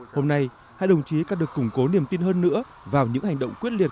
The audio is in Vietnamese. hôm nay hai đồng chí càng được củng cố niềm tin hơn nữa vào những hành động quyết liệt